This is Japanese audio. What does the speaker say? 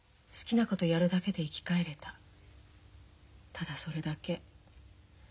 ただそれだけ。